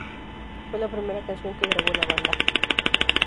Fue la primera canción que grabó la banda.